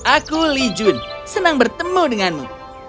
aku li jun senang bertemu denganmu